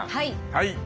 はい。